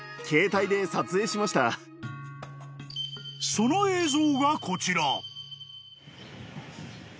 ［その映像がこちら］